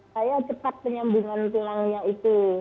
kayak cepat penyambungan silangnya itu